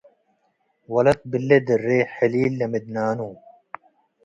ወለት ብሌ-ድሬ ሕሊል ለምድናኑ